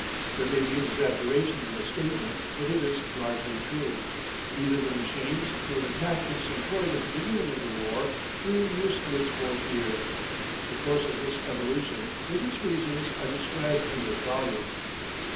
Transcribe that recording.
There may be exaggeration in the statement but it is largely true. Neither the machines nor the tactics employed at the beginning of the war were in use in its fourth year. The course of this evolution, with its reasons, are described in this volume.